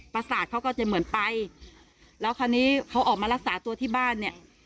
ประสาทเขาก็จะเหมือนไปแล้วคราวนี้เขาออกมารักษาตัวที่บ้านเนี่ย